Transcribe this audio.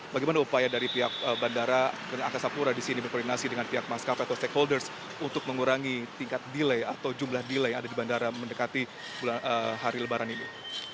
bagaimana upaya dari pihak bandara angkasa pura di sini berkoordinasi dengan pihak maskapai atau stakeholders untuk mengurangi tingkat delay atau jumlah delay yang ada di bandara mendekati hari lebaran ini